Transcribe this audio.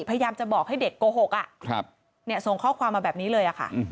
พยายามจะบอกให้เด็กโกหกส่งข้อความมาแบบนี้เลยค่ะ